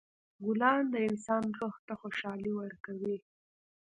ګلان د انسان روح ته خوشحالي ورکوي.